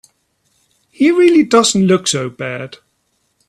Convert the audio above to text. He really doesn't look so bad.